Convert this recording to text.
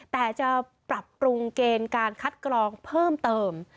แต่จะปรับปรุงเกณฑ์การคัดกรองเพิ่มเติม